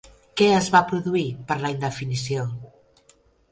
Què es va produir per la indefinició?